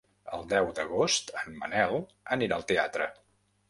El deu d'agost en Manel anirà al teatre.